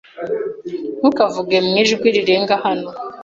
Ntukavuge mwijwi rirenga hano.